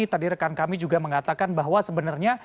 tadi rekan kami juga mengatakan bahwa sebenarnya